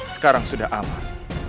sekarang sudah aman